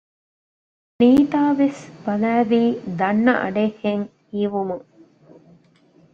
ނީތާ ވެސް ބަލައިލީ ދަންނަ އަޑެއްހެން ހީވުމުން